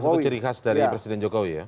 salah satu ciri khas dari presiden jokowi ya